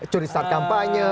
curi star kampanye